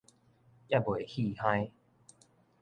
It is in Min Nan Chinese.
猶未戲哼